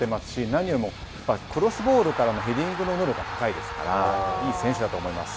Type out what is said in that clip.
何よりもクロスボールからのヘディングの能力が高いですから、いい選手だと思います。